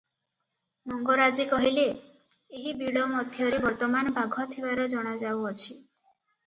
ମଙ୍ଗରାଜେ କହିଲେ "ଏହି ବିଳ ମଧ୍ୟରେ ବର୍ତ୍ତମାନ ବାଘ ଥିବାର ଜଣାଯାଉଅଛି ।"